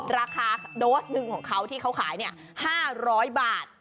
ราคาโดสหนึ่งของเขาที่เขาขาย๕๐๐บาท